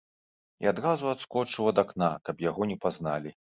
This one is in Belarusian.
І адразу адскочыў ад акна, каб яго не пазналі.